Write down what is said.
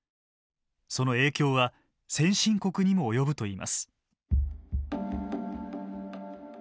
その影響は先進国にも及ぶといいます。